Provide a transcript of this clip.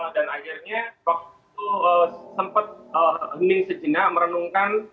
dan akhirnya waktu itu sempet hening sejenak merenungkan